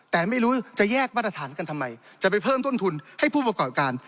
แต่ไม่รู้จะแยกมาตรฐานกันทำไมจะไปเพิ่มต้นทุนให้ผู้ประกอบการ